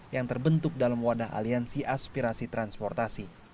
yang terbentuk dalam wadah aliansi aspirasi transportasi